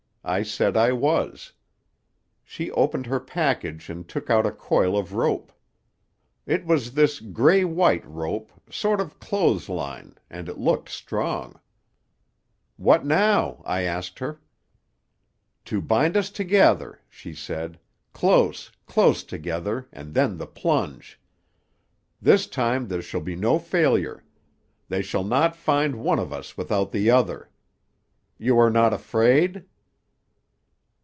I said I was. She opened her package and took out a coil of rope. It was this gray white rope, sort of clothes line, and it looked strong. "'What now?' I asked her. "'To bind us together,' she said. 'Close, close together, and then the plunge! This time there shall be no failure. They shall not find one of us without the other. You are not afraid?